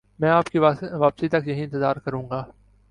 میں آپ کی واپسی تک یہیں انتظار کروں گا